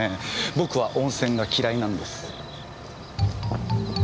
僕は温泉が嫌いなんです。